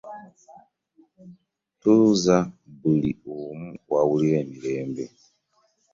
Tuuza buli omu waawulirira emirembe.